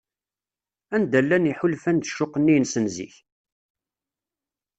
Anda llan yiḥulfan d ccuq-nni-ines n zik?